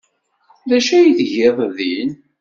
D acu ay tgiḍ din?